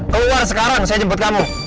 keluar sekarang saya jemput kamu